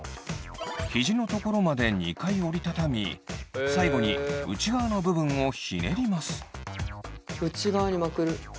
ヒジの所まで２回折り畳み最後に内側の部分をひねります。